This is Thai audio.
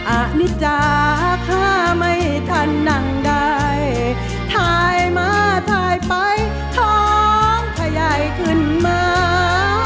อันนี้จ๋าข้าไม่ทันนั่งได้ถ่ายมาถ่ายไปท้องขยายขึ้นมา